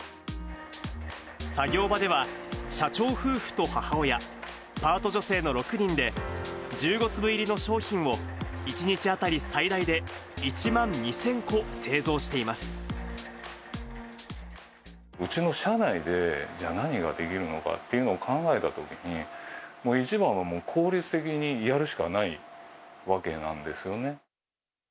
作業場では、社長夫婦と母親、パート女性の６人で、１５粒入りの商品を１日当たり最大で１万２０００個製造していまうちの社内で、じゃあ、何ができるのかって考えたときに、一番は効率的にやるしかないわけなんですよね。